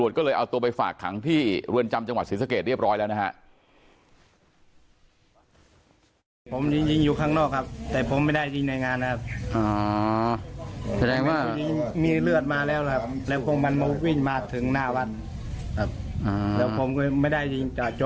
มีเลือดมาแล้วแหละก็มันมีมืดมาถึงนาวัทธ์ผมไม่ได้จริงจ่ะจงผมหนึ่งขึ้นแบบนี้